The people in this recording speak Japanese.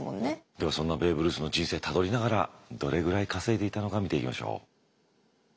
ではそんなベーブ・ルースの人生たどりながらどれぐらい稼いでいたのか見ていきましょう。